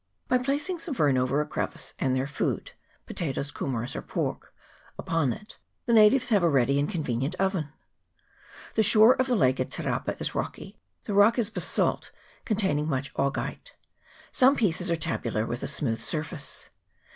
By placing some fern over a crevice, and their food (potatoes, ku meras, or pork) upon it, the natives have a ready and convenient oven. The shore of the lake at Te rapa is rocky ; the rock is basalt, containing much augite. Some pieces are tabular, with a smooth surface.